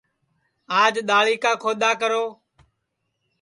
آج دؔاݪی کا کھودؔا کرو